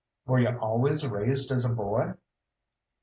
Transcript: "Were you always raised as a boy?"